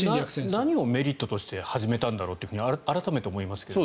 何をメリットとして始めたんだろうと改めて思いますけど。